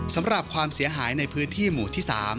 ความเสียหายในพื้นที่หมู่ที่๓